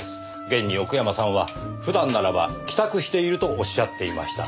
現に奥山さんは普段ならば帰宅しているとおっしゃっていました。